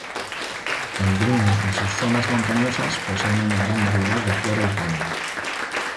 El Drin y sus zonas montañosas poseen una gran variedad de flora y fauna.